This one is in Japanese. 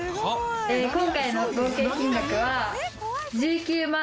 今回の合計金額は。